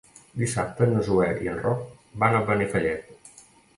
Dissabte na Zoè i en Roc van a Benifallet.